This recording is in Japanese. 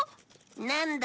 なんだ？